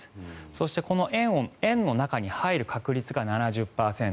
そしてこの円の中に入る確率が７０％